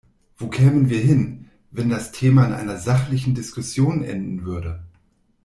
Wo kämen wir hin, wenn das Thema in einer sachlichen Diskussion enden würde?